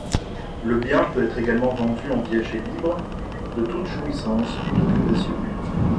Le bien peut être également vendu en viager libre de toute jouissance ou d'occupation.